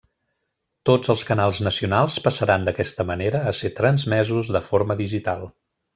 Tots els canals nacionals passaran d'aquesta manera a ser transmesos de forma digital.